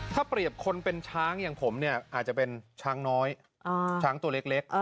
ถ้าเปรียบคนเป็นช้างอย่างผมเนี่ยอาจจะเป็นช้างน้อยช้างตัวเล็ก